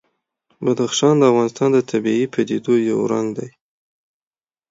بدخشان د افغانستان د طبیعي پدیدو یو رنګ دی.